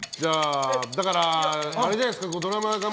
だから、あれじゃないですか？